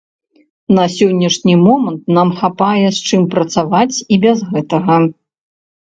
На сённяшні момант нам хапае, з чым працаваць і без гэтага.